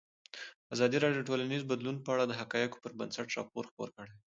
ازادي راډیو د ټولنیز بدلون په اړه د حقایقو پر بنسټ راپور خپور کړی.